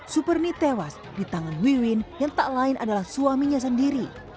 superni tewas di tangan wiwin yang tak lain adalah suaminya sendiri